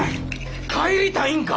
帰りたいんか！？